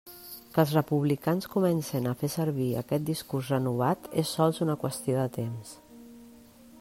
Que els republicans comencen a fer servir aquest discurs renovat és sols una qüestió de temps.